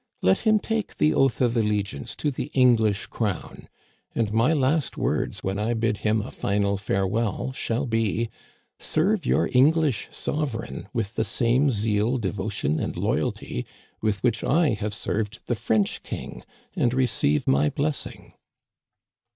Let him take the oath of allegiance to the English crown ; and my last words when I bid him a final farewell shall be :' Serve your English sovereign with the same zeal, devotion, and loyalty with which I have served the French King, and receive my blessing.'